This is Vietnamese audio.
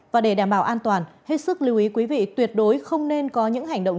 và để đảm bảo an toàn hết sức lưu ý quý vị tuyệt đối không nên có những hành động